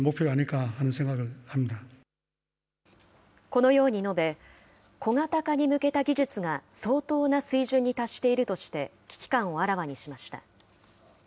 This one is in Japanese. このように述べ、小型化に向けた技術が相当な水準に達しているとして、危機感をあらわにしました。